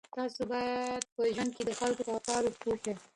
تاسو باید په ژوند کې د خلکو په افکارو پوه شئ.